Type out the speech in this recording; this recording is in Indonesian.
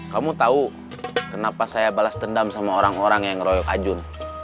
kamu tahu kenapa saya balas dendam sama orang orang yang ngeroyok ajun